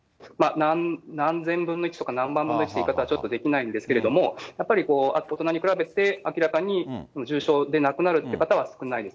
何千分の１とか何万分の１という言い方はちょっとできないんですけれども、やっぱり大人と比べて、明らかに重症で亡くなるという方は少ないです。